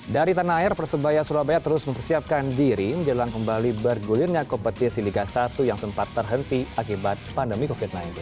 dari tanah air persebaya surabaya terus mempersiapkan diri menjelang kembali bergulirnya kompetisi liga satu yang sempat terhenti akibat pandemi covid sembilan belas